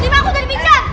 nih mah aku udah dibincar